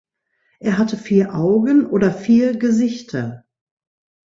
Er hatte vier Augen oder vier Gesichter.